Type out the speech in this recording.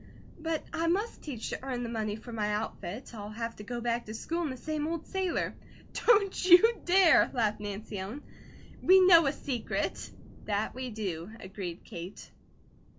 "But I must teach to the earn money for my outfit. I'll have to go back to school in the same old sailor." "Don't you care," laughed Nancy Ellen. "We know a secret!" "That we do!" agreed Kate.